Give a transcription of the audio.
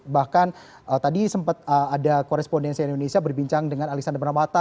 bahkan tadi sempat ada korespondensi dari indonesia berbincang dengan alisanda bramata